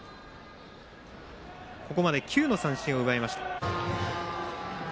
ここまで９の三振を奪いました。